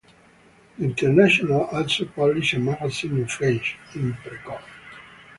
The "International" also publishes a magazine in French "Inprecor".